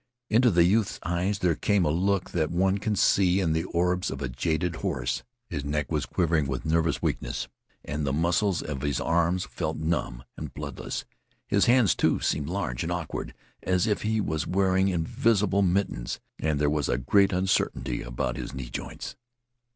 Into the youth's eyes there came a look that one can see in the orbs of a jaded horse. His neck was quivering with nervous weakness and the muscles of his arms felt numb and bloodless. His hands, too, seemed large and awkward as if he was wearing invisible mittens. And there was a great uncertainty about his knee joints.